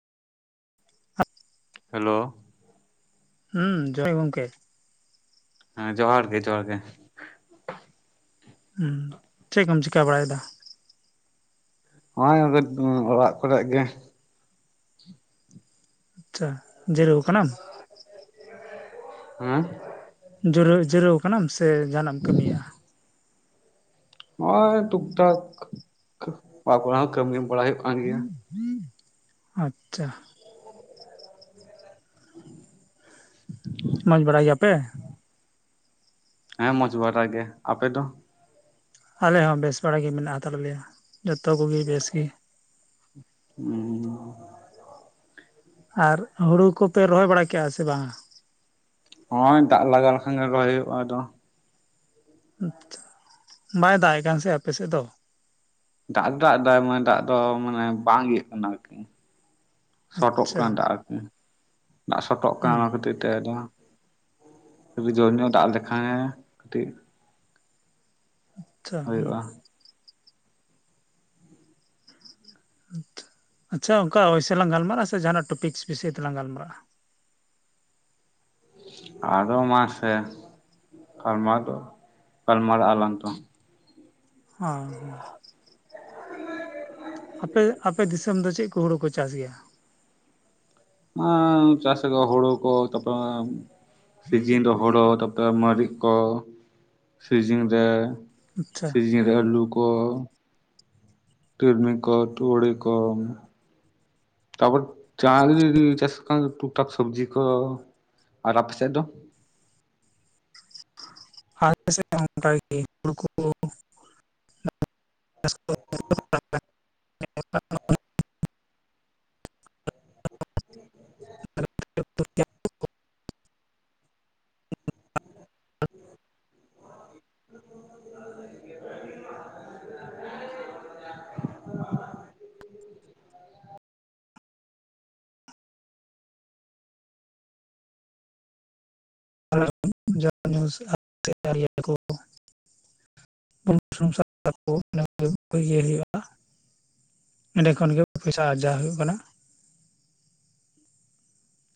Hello ᱦᱩᱸ ᱡᱚᱦᱟᱨ ᱜᱮ ᱜᱚᱢᱠᱮ ᱦᱮᱸ ᱡᱚᱦᱟᱨ ᱜᱮ ᱡᱚᱦᱟᱨ ᱜᱮ ᱦᱸᱩ ᱪᱮᱫ ᱠᱚᱢ ᱪᱤᱠᱟ ᱵᱟᱲᱟᱭ ᱮᱫᱟ? ᱱᱚᱜᱼᱚᱭ [unintelligible] ᱚᱲᱟᱜ ᱠᱚᱨᱮ ᱜᱮ ᱟᱪᱪᱷᱟ ᱡᱤᱨᱟᱹᱣ ᱠᱟᱱᱟᱢ? [unintelligible] ᱦᱮᱸ ᱡᱩᱨᱟᱹ ᱡᱤᱹᱨᱟᱹᱣ ᱟᱠᱟᱱᱟᱢ ᱥᱮ ᱡᱟᱦᱟᱱᱟᱜ ᱮᱢ ᱠᱟᱹᱢᱤᱭᱮᱜᱼᱟ ᱱᱚᱜᱼᱚᱭ ᱴᱩᱠ ᱴᱟᱠ [unintelligible] ᱚᱲᱟᱜ ᱠᱚᱨᱮ ᱦᱚᱸ ᱠᱟᱹᱢᱤ ᱵᱟᱲᱟᱭ ᱦᱩᱭᱩᱜ ᱠᱟᱱ ᱜᱮᱭᱟ [inaudible] ᱟᱪᱪᱷᱟ [inaudible] ᱢᱚᱸᱡᱽ ᱵᱟᱲᱟᱭ ᱜᱮᱭᱟᱯᱮ ᱦᱮᱸ ᱢᱚᱡᱽ ᱵᱟᱲᱟ ᱜᱮ ᱟᱯᱮ ᱫᱚ ᱟᱞᱮ ᱦᱚᱸ ᱵᱮᱥ ᱵᱟᱲᱟ ᱜᱮ ᱢᱮᱱᱟᱜ ᱟᱠᱟᱫ ᱞᱮᱭᱟ ᱡᱚᱛᱚ ᱠᱚ ᱜᱮ ᱵᱮᱥ ᱜᱮ [unintelligible] ᱟᱨ ᱦᱩᱲᱩ ᱠᱚᱯᱮ ᱨᱚᱦᱚᱭ ᱵᱟᱲᱟ ᱠᱮᱜᱼᱟ ᱥᱮ ᱵᱟᱝ ᱱᱚᱜᱚᱭ ᱫᱟᱜ ᱞᱟᱜᱟ ᱞᱮᱠᱷᱟᱱ ᱜᱮ ᱨᱚᱦᱚᱭ ᱦᱳᱭᱳᱜᱼᱟ ᱟᱫᱚ ᱟᱪᱷᱟ ᱵᱟᱭ ᱫᱟᱜ ᱮᱜ ᱠᱟᱱ ᱥᱮ ᱟᱯᱮ ᱥᱮᱫ ᱫᱚ ᱫᱟᱜ ᱫᱚ ᱫᱟᱜ ᱫᱟᱭ ᱫᱟᱜ ᱫᱚ ᱢᱟᱱᱮ ᱵᱟᱝ ᱤᱭᱟᱹᱜ ᱠᱟᱱᱟ ᱦᱳᱭ ᱛᱚ ᱥᱚᱴᱚᱜ ᱟᱪᱪᱷᱟ ᱠᱟᱱᱟ ᱫᱟᱜ ᱟᱨᱠᱤ ᱫᱟᱜ ᱥᱚᱴᱚᱜ ᱠᱟᱱᱟ ᱦᱩᱸ ᱚᱱᱟ ᱠᱷᱟᱹᱛᱤᱨ ᱛᱮ ᱫᱚ ᱡᱩᱫᱤ ᱡᱳᱨ ᱧᱚᱜ ᱫᱟᱜ ᱞᱮᱠᱷᱟᱱ ᱮ ᱠᱟᱴᱤᱡ ᱟᱪᱪᱷᱟ ᱦᱮᱸ ᱦᱩᱭᱩᱜᱼᱟ ᱟᱪᱷᱟ ᱟᱪᱪᱷᱟ ᱚᱱᱠᱟ ᱚᱵᱭᱥᱮ ᱞᱟᱝ ᱜᱟᱞᱢᱟᱨᱟᱜᱼᱟ ᱥᱮ ᱡᱟᱦᱟᱸᱱᱟᱜ ᱴᱚᱯᱤᱠᱥ ᱵᱤᱥᱚᱭ ᱛᱮᱞᱟᱝ ᱜᱟᱞᱢᱟᱨᱟᱜᱼᱟ ᱟᱫᱚ ᱢᱟᱥᱮ [inaudible] ᱜᱟᱞᱢᱟᱨᱟᱣ ᱫᱚ ᱜᱟᱞᱢᱟᱨᱟᱜ ᱟᱞᱟᱟᱝ ᱛᱚ [unintelligible] [unintelligible] ᱟᱯᱮ ᱟᱯᱮ ᱫᱤᱥᱚᱢ ᱫᱚ ᱪᱮᱫ ᱠᱚ ᱦᱩᱲᱩ ᱠᱚ ᱪᱟᱥ ᱜᱮᱭᱟ [unintelligible] ᱪᱟᱥ ᱟᱠᱚ ᱦᱩᱲᱩ ᱠᱚ ᱛᱚᱯᱚᱨ ᱥᱤᱡᱤᱱ ᱨᱮ ᱦᱩᱲᱳ ᱛᱟᱨ ᱯᱚᱨᱮ ᱢᱟᱹᱨᱤᱪ ᱠᱚ ᱥᱤᱡᱤᱱ ᱨᱮ ᱟᱪᱪᱷᱟ ᱥᱮᱡᱤᱱ ᱨᱮ ᱟᱹᱞᱩ ᱠᱚ ᱛᱤᱞᱢᱤ ᱠᱚ ᱛᱩᱲᱤ ᱠᱚ ᱛᱟᱯᱚᱨ ᱡᱟᱦᱟᱸ ᱜᱤ ᱪᱟᱥ [unintelligible] ᱴᱩᱠᱴᱟᱠ ᱥᱚᱵᱽᱡᱤ ᱠᱚ ᱟᱨ ᱟᱯᱮ ᱥᱮᱫ ᱫᱚ [unintelligible] [unintelligible] [inaudible] [inaudible] [inaudible] [unintelligible] [unintelligible] ᱤᱭᱟᱹᱭ ᱦᱩᱭᱩᱜᱼᱟ ᱮᱸᱰᱮ ᱠᱷᱚᱱ ᱜᱮ ᱯᱚᱭᱥᱟ ᱟᱨᱡᱟᱣ ᱦᱩᱭᱩᱜ ᱠᱟᱱᱟ